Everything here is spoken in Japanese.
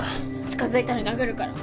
近づいたら殴るから。